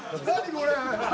これ。